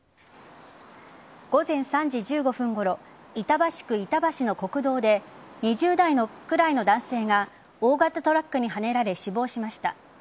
午前３時１５分ごろ板橋区板橋の国道で２０代くらいの男性が大型トラックにはねられ死亡しました。